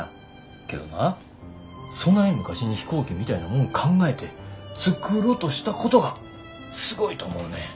けどなそない昔に飛行機みたいなもん考えて作ろとしたことがすごいと思うねん。